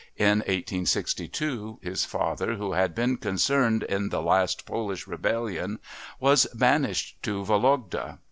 In 1862 his father, who had been concerned in the last Polish rebellion, was banished to Vologda.